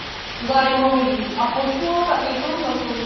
Zajmou jí a pošlou raketou do Slunce.